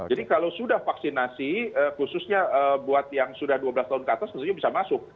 jadi kalau sudah vaksinasi khususnya buat yang sudah dua belas tahun ke atas maksudnya bisa masuk